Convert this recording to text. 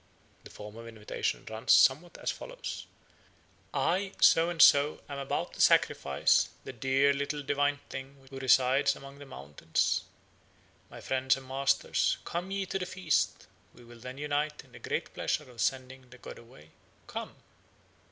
The form of invitation runs somewhat as follows: "I, so and so, am about to sacrifice the dear little divine thing who resides among the mountains. My friends and masters, come ye to the feast; we will then unite in the great pleasure of sending the god away. Come."